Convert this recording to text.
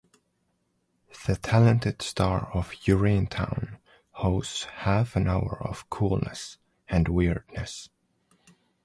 The talented star of Urinetown hosts half an hour of coolness and weirdness.